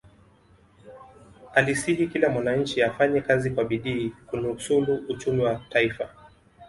alisihi kila mwananchi afanye kazi kwa bidii kunusulu uchumi wa taifa